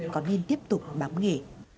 có nên tiếp tục bám nghề